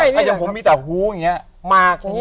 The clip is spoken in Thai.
ถ้าอย่างผมมีแต่หูอย่างนี้